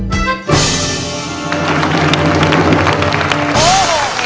เขียนไว้ตัวตัวจะมาให้ความรู้สึกด้วย